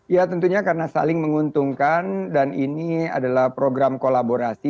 ya tentunya karena saling menguntungkan dan ini adalah program kolaborasi